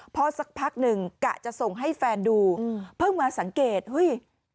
พอสักพักหนึ่งกะจะส่งให้แฟนดูเพิ่งมาสังเกตเฮ้ย